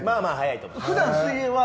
普段、水泳は？